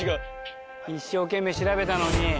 一生懸命調べたのに。